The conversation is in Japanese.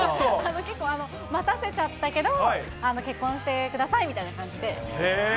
結構、待たせちゃったけど、結婚してくださいみたいな感じで。